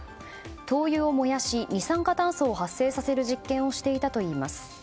灯油を燃やし二酸化炭素を発生させる実験をしていたといいます。